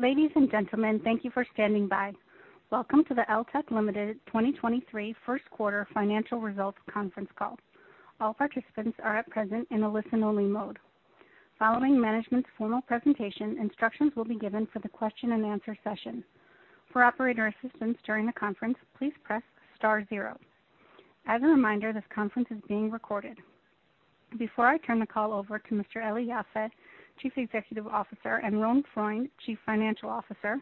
Ladies and gentlemen, thank you for standing by. Welcome to the Eltek Ltd. 2023 Q1 Financial Results Conference call. All participants are at present in a listen-only mode. Following management's formal presentation, instructions will be given for the question and answer session. For operator assistance during the conference, please press star zero. As a reminder, this conference is being recorded. Before I turn the call over to Mr. Eli Yaffe, Chief Executive Officer, and Ron Freund, Chief Financial Officer,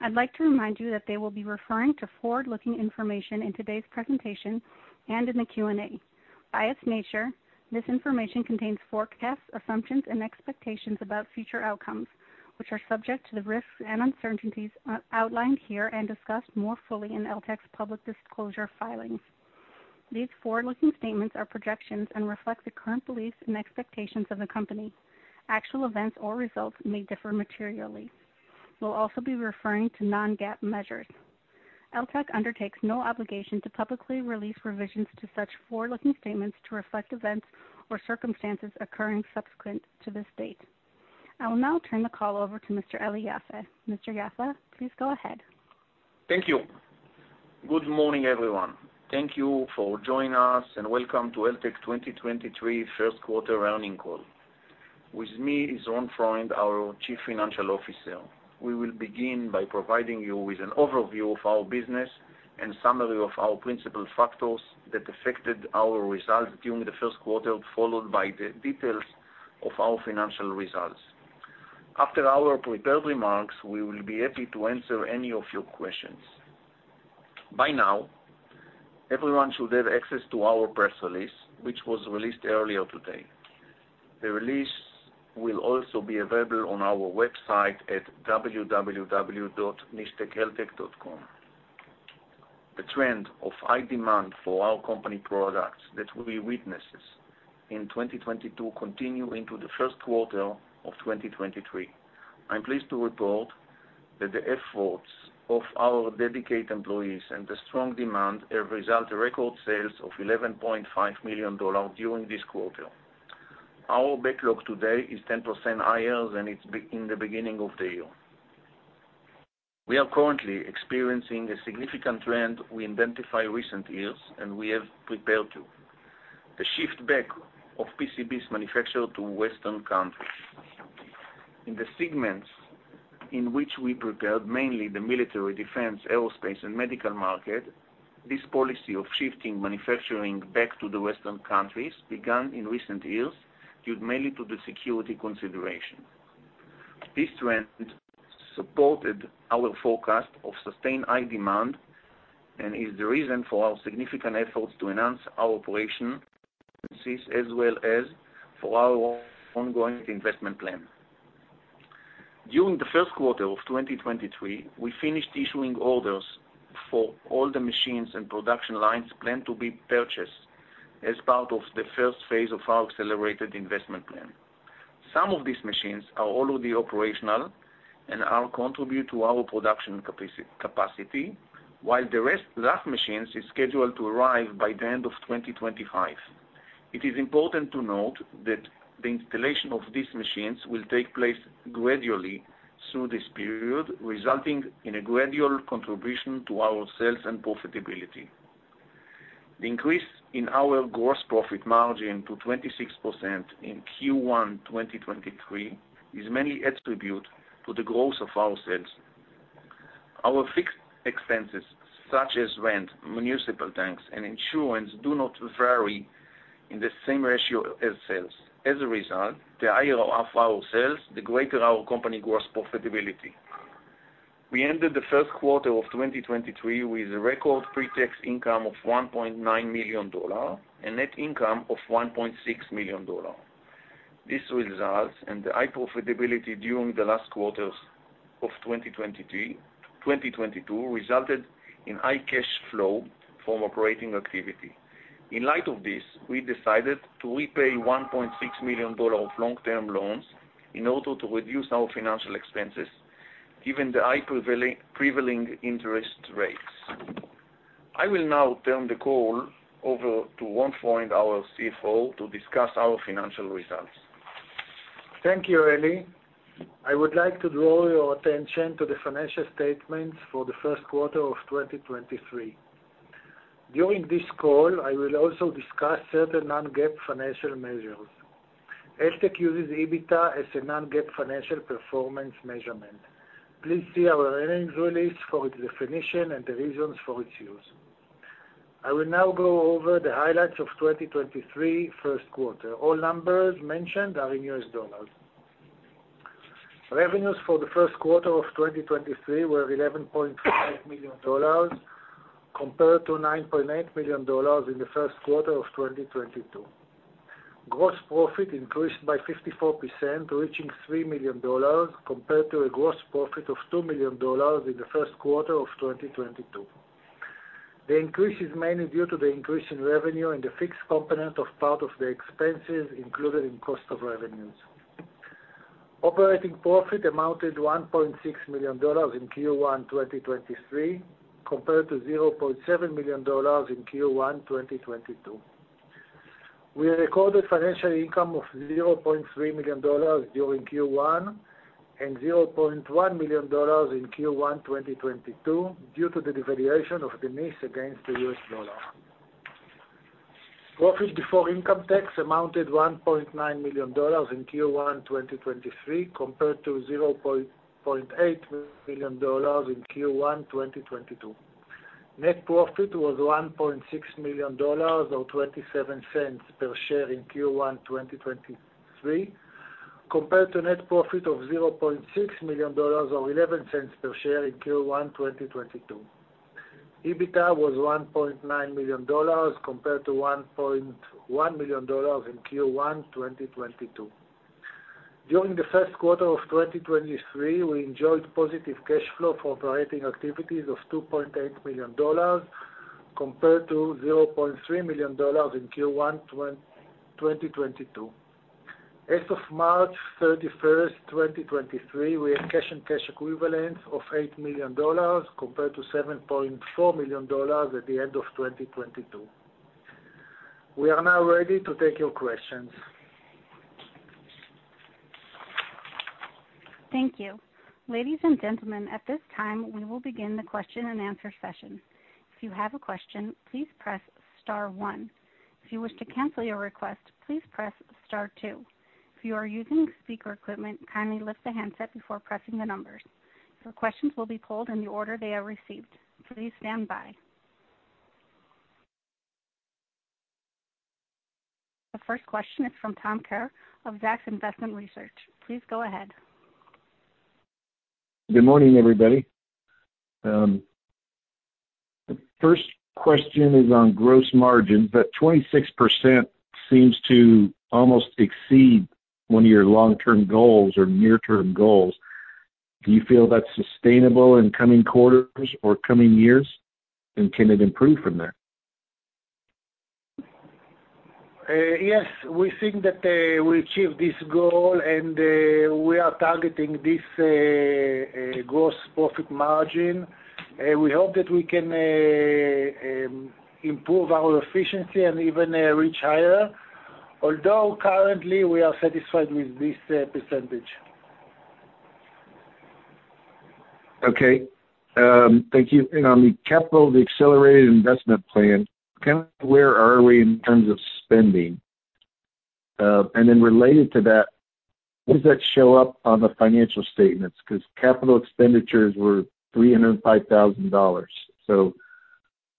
I'd like to remind you that they will be referring to forward-looking information in today's presentation and in the Q&A. By its nature, this information contains forecasts, assumptions, and expectations about future outcomes, which are subject to the risks and uncertainties outlined here and discussed more fully in Eltek's public disclosure filings. These forward-looking statements are projections and reflect the current beliefs and expectations of the company. Actual events or results may differ materially. We'll also be referring to non-GAAP measures. Eltek undertakes no obligation to publicly release revisions to such forward-looking statements to reflect events or circumstances occurring subsequent to this date. I will now turn the call over to Mr. Eli Yaffe. Mr. Yaffe, please go ahead. Thank you. Good morning, everyone. Thank you for joining us, welcome to Eltek 2023 Q1 earnings call. With me is Ron Freund, our Chief Financial Officer. We will begin by providing you with an overview of our business and summary of our principal factors that affected our results during the Q1, followed by the details of our financial results. After our prepared remarks, we will be happy to answer any of your questions. By now, everyone should have access to our press release, which was released earlier today. The release will also be available on our website at www.nisteceltek.com. The trend of high demand for our company products that we witnesses in 2022 continue into the Q1 of 2023. I'm pleased to report that the efforts of our dedicated employees and the strong demand have result to record sales of $11.5 million during this quarter. Our backlog today is 10% higher than its in the beginning of the year. We are currently experiencing a significant trend we identify recent years, we have prepared to. The shift back of PCBs manufactured to Western countries. In the segments in which we prepared, mainly the military, defense, aerospace, and medical market, this policy of shifting manufacturing back to the Western countries began in recent years, due mainly to the security consideration. This trend supported our forecast of sustained high demand and is the reason for our significant efforts to enhance our operation policies as well as for our ongoing investment plan. During the Q1 of 2023, we finished issuing orders for all the machines and production lines planned to be purchased as part of the first phase of our accelerated investment plan. Some of these machines are already operational and are contribute to our production capacity, while the rest, last machines, is scheduled to arrive by the end of 2025. It is important to note that the installation of these machines will take place gradually through this period, resulting in a gradual contribution to our sales and profitability. The increase in our gross profit margin to 26% in Q1 2023 is mainly attribute to the growth of our sales. Our fixed expenses, such as rent, municipal taxes, and insurance, do not vary in the same ratio as sales. As a result, the higher of our sales, the greater our company gross profitability. We ended the Q1 of 2023 with a record pretax income of $1.9 million and net income of $1.6 million. This results and the high profitability during the last quarters of 2022 resulted in high cash flow from operating activity. In light of this, we decided to repay $1.6 million of long-term loans in order to reduce our financial expenses given the high prevailing interest rates. I will now turn the call over to Ron Freund, our CFO, to discuss our financial results. Thank you, Eli. I would like to draw your attention to the financial statements for the Q1 of 2023. During this call, I will also discuss certain non-GAAP financial measures. Eltek uses EBITDA as a non-GAAP financial performance measurement. Please see our earnings release for its definition and the reasons for its use. I will now go over the highlights of 2023 Q1. All numbers mentioned are in US dollars. Revenues for the Q1 of 2023 were $11.5 million compared to $9.8 million in the Q1 of 2022. Gross profit increased by 54%, reaching $3 million compared to a gross profit of $2 million in the Q1 of 2022. The increase is mainly due to the increase in revenue and the fixed component of part of the expenses included in cost of revenues. Operating profit amounted $1.6 million in Q1 2023 compared to $0.7 million in Q1 2022. We recorded financial income of $0.3 million during Q1, and $0.1 million in Q1 2022 due to the devaluation of the NIS against the US dollar. Profit before income tax amounted $1.9 million in Q1 2023 compared to $0.8 million in Q1 2022. Net profit was $1.6 million or 27 cents per share in Q1 2023, compared to net profit of $0.6 million or 11 cents per share in Q1 2022. EBITDA was $1.9 million compared to $1.1 million in Q1 2022. During the Q1 of 2023, we enjoyed positive cash flow for operating activities of $2.8 million compared to $0.3 million in Q1 2022. As of March 31st, 2023, we have cash and cash equivalents of $8 million compared to $7.4 million at the end of 2022. We are now ready to take your questions. Thank you. Ladies and gentlemen, at this time, we will begin the question and answer session. If you have a question, please press star one. If you wish to cancel your request, please press star two. If you are using speaker equipment, kindly lift the handset before pressing the numbers. Your questions will be pulled in the order they are received. Please stand by. The first question is from Tom Kerr of Zacks Investment Research. Please go ahead. Good morning, everybody. The first question is on gross margin. 26% seems to almost exceed one of your long-term goals or near-term goals. Do you feel that's sustainable in coming quarters or coming years, and can it improve from there? Yes. We think that we achieve this goal, and we are targeting this gross profit margin. We hope that we can improve our efficiency and even reach higher, although currently we are satisfied with this percentage. Okay, thank you. On the capital, the accelerated investment plan, kind of where are we in terms of spending? Related to that, does that show up on the financial statements? Because capital expenditures were $305,000.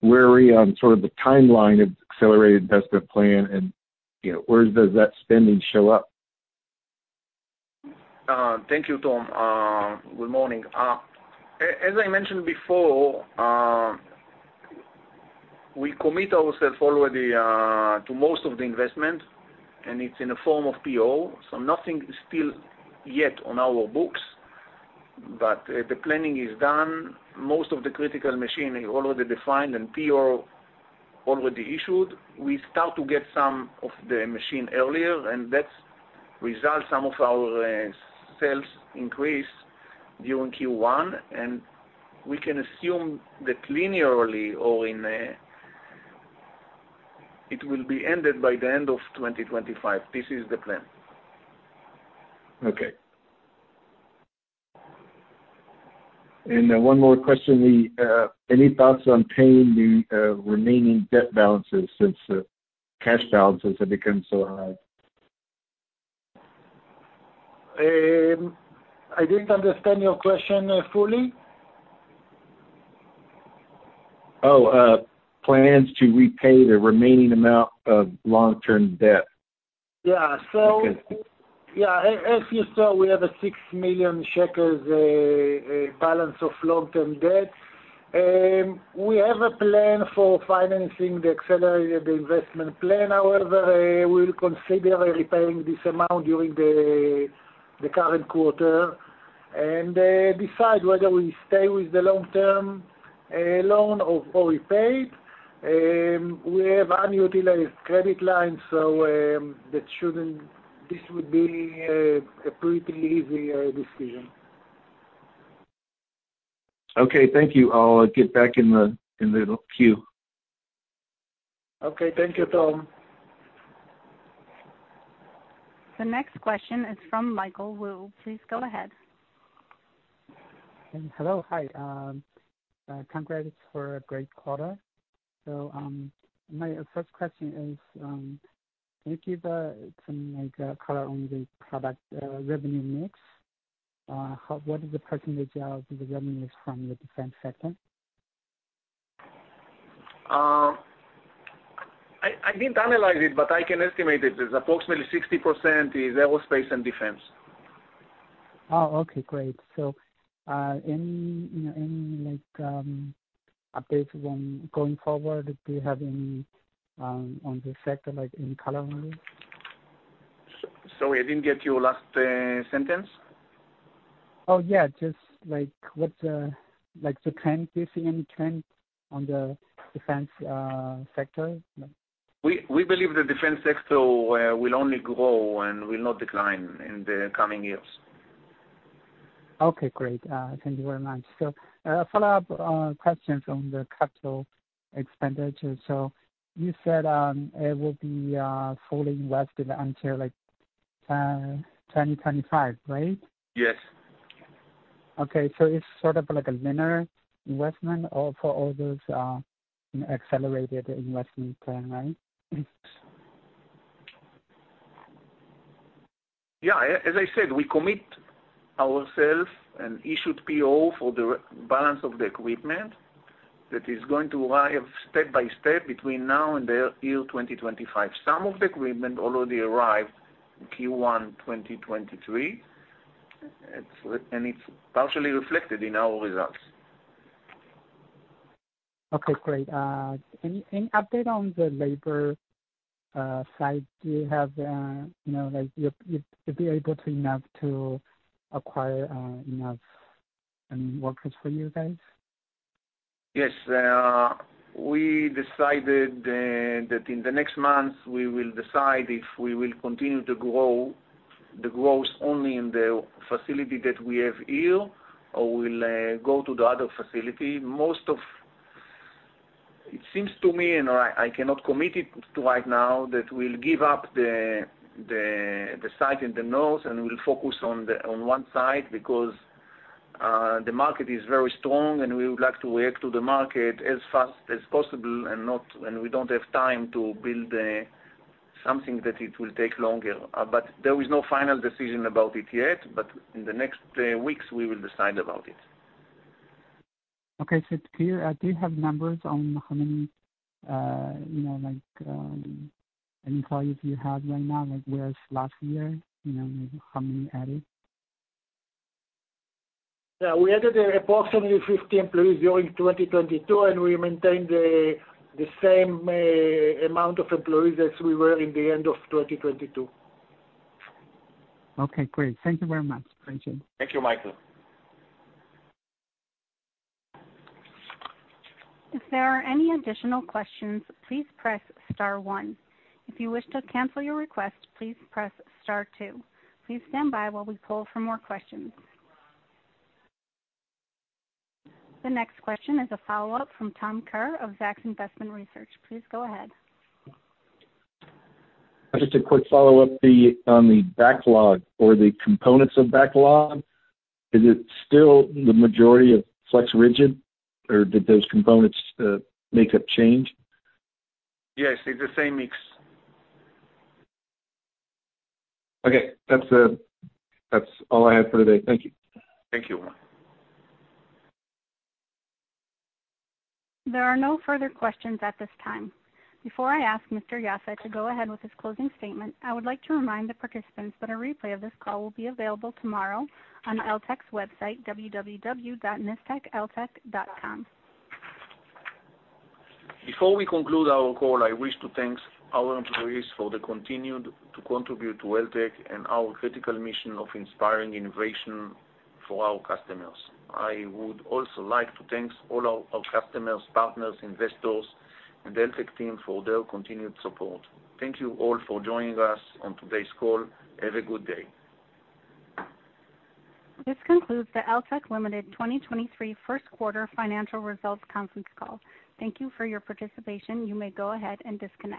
Where are we on sort of the timeline of accelerated investment plan and, you know, where does that spending show up? Thank you, Tom. Good morning. As I mentioned before, we commit ourselves already to most of the investment, and it's in the form of PO, so nothing is still yet on our books, but the planning is done. Most of the critical machine is already defined, and PO already issued. We start to get some of the machine earlier, and that's result some of our sales increase during Q1, and we can assume that linearly or in a... It will be ended by the end of 2025. This is the plan. Okay. One more question. Any thoughts on paying the remaining debt balances since cash balances have become so high? I didn't understand your question fully. Plans to repay the remaining amount of long-term debt. Yeah. Okay. Yeah. As you saw, we have a 6 million shekels balance of long-term debt. We have a plan for financing the accelerated investment plan. However, we'll consider repaying this amount during the current quarter and decide whether we stay with the long-term loan or repay it. We have unutilized credit lines, so that shouldn't. This would be a pretty easy decision. Okay. Thank you. I'll get back in the queue. Okay. Thank you, Tom. The next question is from Michelle Wu. Please go ahead. Hello. Hi. Congrats for a great quarter. My first question is, can you give some, like, color on the product, revenue mix? What is the percentage of the revenue is from the defense sector? I didn't analyze it, but I can estimate it. It's approximately 60% is aerospace and defense. Oh, okay. Great. Any, you know, any, like, updates on going forward? Do you have any on this sector, like in color only? Sorry, I didn't get your last sentence. Oh, yeah, just like what's, like the trend, do you see any trend on the defense sector? We believe the defense sector will only grow and will not decline in the coming years. Okay, great. Thank you very much. A follow-up question from the capital expenditure. You said, it will be fully invested until, like, 2025, right? Yes. Okay. It's sort of like a linear investment or for all those accelerated investment plan, right? Yeah. As I said, we commit ourselves and issued PO for the balance of the equipment that is going to arrive step by step between now and the year 2025. Some of the equipment already arrived in Q1, 2023. It's partially reflected in our results. Okay, great. Any update on the labor side? Do you have, you know, like, you'd be able to enough to acquire enough workers for you guys? Yes. We decided that in the next month we will decide if we will continue to grow the growth only in the facility that we have here or we'll go to the other facility. It seems to me, and I cannot commit it to right now, that we'll give up the site in the north and we'll focus on one side because the market is very strong, and we would like to react to the market as fast as possible and we don't have time to build something that it will take longer. There is no final decision about it yet, but in the next weeks we will decide about it. Okay. Do you have numbers on how many, you know, like, employees you have right now, like whereas last year? You know, how many added? Yeah. We added approximately 50 employees during 2022, and we maintained the same amount of employees as we were in the end of 2022. Okay, great. Thank you very much. Appreciate it. Thank you, Michelle. If there are any additional questions, please press star one. If you wish to cancel your request, please press star two. Please stand by while we pull for more questions. The next question is a follow-up from Tom Kerr of Zacks Investment Research. Please go ahead. Just a quick follow-up the, on the backlog or the components of backlog, is it still the majority of Flex-Rigid or did those components make up change? Yes, it's the same mix. Okay. That's all I have for today. Thank you. Thank you. There are no further questions at this time. Before I ask Mr. Yaffe to go ahead with his closing statement, I would like to remind the participants that a replay of this call will be available tomorrow on Eltek's website, www.nisteceltek.com. Before we conclude our call, I wish to thank our employees for the continued to contribute to Eltek and our critical mission of inspiring innovation for our customers. I would also like to thanks all our customers, partners, investors and Eltek team for their continued support. Thank you all for joining us on today's call. Have a good day. This concludes the Eltek Ltd. 2023 Q1 financial results conference call. Thank you for your participation. You may go ahead and disconnect.